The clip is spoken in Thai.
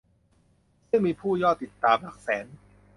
ซึ่งมียอดผู้ติดตามหลักแสน